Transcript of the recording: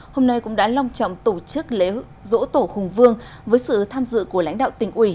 hôm nay cũng đã long trọng tổ chức lễ dỗ tổ hùng vương với sự tham dự của lãnh đạo tỉnh ủy